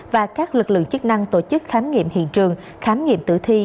và các lực lượng chức năng tổ chức khám nghiệm hiện trường khám nghiệm tử thi